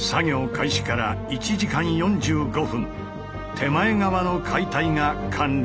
手前側の解体が完了。